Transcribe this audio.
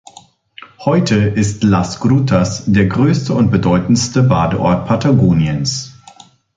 Heute ist Las Grutas der größte und bedeutendste Badeort Patagoniens.